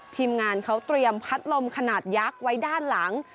ทีมงานเขาเตรียมพัดลมขนาดยักษ์ไว้ด้านหลัง